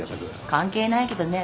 関係ないけどね